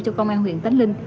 cho công an huyện tánh linh